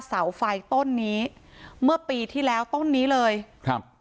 เสาไฟต้นนี้เมื่อปีที่แล้วต้นนี้เลยครับ